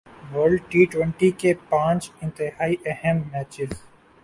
world T twenty کے پانچ انتہائی اہم میچز